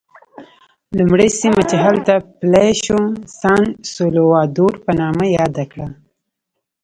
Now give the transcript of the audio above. لومړی سیمه چې هلته پلی شو سان سولوا دور په نامه یاد کړه.